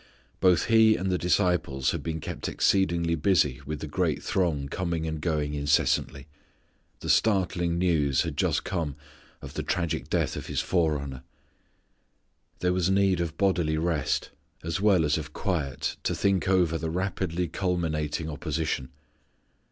Both He and the disciples had been kept exceedingly busy with the great throng coming and going incessantly. The startling news had just come of the tragic death of His forerunner. There was need of bodily rest, as well as of quiet to think over the rapidly culminating opposition.